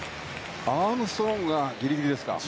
アームストロングがギリギリ。